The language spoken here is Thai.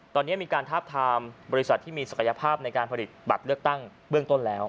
ตอนนี้มีการทาบทามบริษัทที่มีศักยภาพในการผลิตบัตรเลือกตั้งเบื้องต้นแล้ว